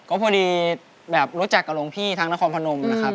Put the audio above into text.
ก็พอดีแบบรู้จักกับหลวงพี่ทางนครพนมนะครับ